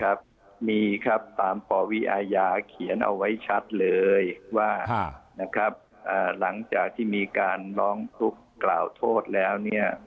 ครับมีครับตามปวิอาญาเขียนเอาไว้ชัดเลยว่านะครับหลังจากที่มีการร้องทุกข์กล่าวโทษแล้วเนี่ย